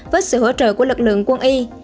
với sự hỗ trợ của lực lượng quân y